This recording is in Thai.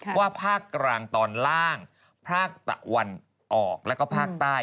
ว่าภาคกลางตอนล่างภาคตะวันออกแล้วก็ภาคใต้